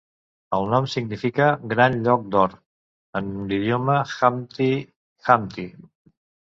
El nom significa "Gran Lloc d'Or" en l'idioma Hkamti Khamti.